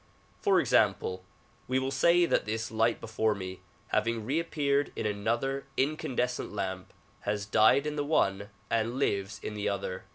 For example, we will say that this light before me, having reappeared in another incandescent lamp, has died in the one and lives in the other.